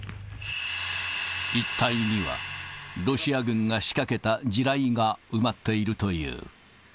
一帯には、ロシア軍が仕掛けた地雷が埋まっているという。